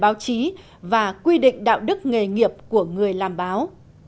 báo chí và quy định đạo đức nghề nghiệp của người làm báo